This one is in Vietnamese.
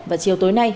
và chiều tối nay